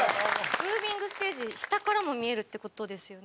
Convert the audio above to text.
ムービングステージ下からも見えるって事ですよね？